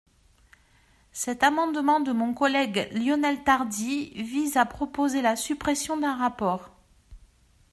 Cet amendement de mon collègue Lionel Tardy vise à proposer la suppression d’un rapport.